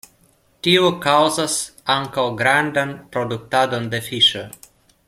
Tio kaŭzas ankaŭ grandan produktadon de fiŝo.